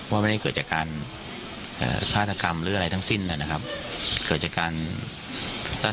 ว่าไม่ได้เกิดจากการฆาตกรรมหรืออะไรทั้งสิ้นนะครับ